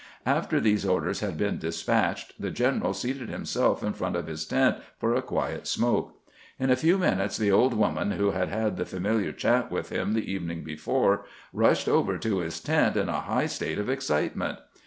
After these orders had been despatched, the general seated himself in front of his tent for a quiet smoke. In a few minutes the old woman who had had the familiar chat with him the evening before rushed over to his tent in a high state of excitement.